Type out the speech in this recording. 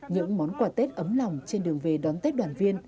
những món quà tết ấm lòng trên đường về đón tết đoàn viên